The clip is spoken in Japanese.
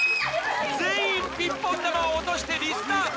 全員ピンポン玉を落としてリスタート